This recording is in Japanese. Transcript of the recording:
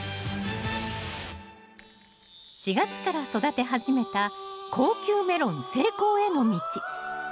４月から育て始めた高級メロン成功への道。